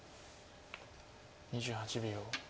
２８秒。